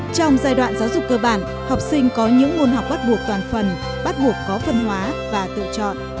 trong giai đoạn giáo dục cơ bản học sinh có những môn học bắt buộc toàn phần bắt buộc có phân hóa và tự chọn